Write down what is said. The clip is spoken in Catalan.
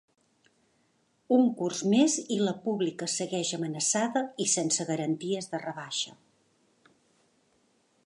Un curs més i la pública segueix amenaçada i sense garanties de rebaixa.